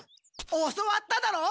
教わっただろ！